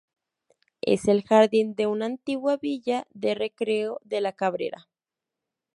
Es el jardín de una antigua Villa de Recreo de La Cabrera.